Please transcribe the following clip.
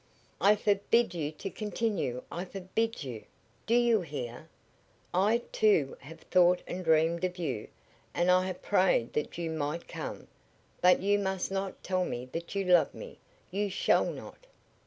"I forbid you to continue I forbid you! Do you hear? I, too, have thought and dreamed of you, and I have prayed that you might come. But you must not tell me that you love me you shall not!"